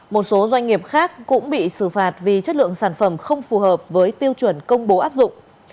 một số doanh nghiệp khác cũng bị xử phạt vì chất lượng sản phẩm không phù hợp với tiêu chuẩn công bố áp dụng